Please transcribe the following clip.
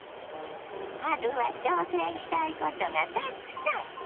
春は挑戦したいことがたくさん！